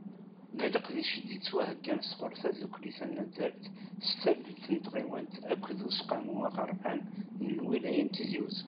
D leqdic i d-yettwaheyyan sɣur tdukkli tanaddalt s tallelt n tɣiwant akked Useqqamu aɣerfan n lwilaya n Tizi Uzzu.